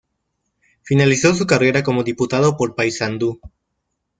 Finalizó su carrera como diputado por Paysandú.